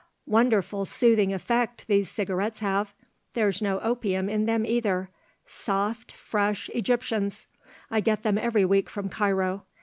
"Wonderful soothing effect these cigarettes have. There's no opium in them either, soft, fresh Egyptians. I get them every week from Cairo.